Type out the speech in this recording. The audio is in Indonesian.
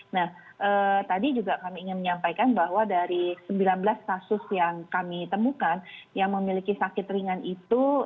nah tadi juga kami ingin menyampaikan bahwa dari sembilan belas kasus yang kami temukan yang memiliki sakit ringan itu